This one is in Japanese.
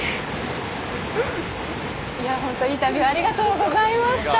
いや本当、インタビュー、ありがとうございました。